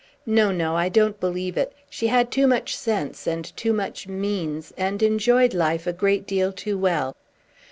No, no; I don't believe it. She had too much sense, and too much means, and enjoyed life a great deal too well."